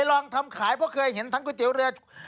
ลองทำขายเพราะเคยเห็นทั้งก๋วยเตี๋ยวเรือ